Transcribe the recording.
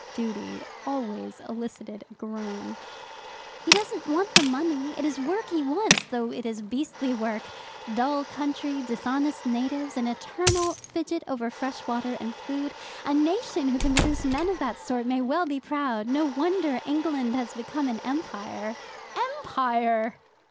"Duty" always elicited a groan. "He doesn't want the money, it is work he wants, though it is beastly work dull country, dishonest natives, an eternal fidget over fresh water and food. A nation who can produce men of that sort may well be proud. No wonder England has become an Empire." "EMPIRE!"